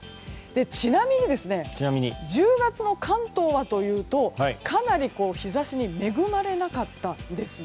ちなみに１０月の関東はというとかなり日差しに恵まれなかったんです。